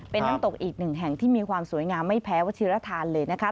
เป็นน้ำตกอีกหนึ่งแห่งที่มีความสวยงามไม่แพ้วัชิรทานเลยนะคะ